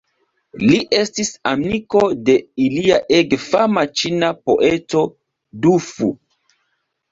Li estis amiko de alia ege fama ĉina poeto, Du Fu.